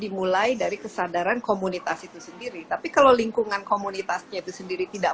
dimulai dari kesadaran komunitas itu sendiri tapi kalau lingkungan komunitasnya itu sendiri tidak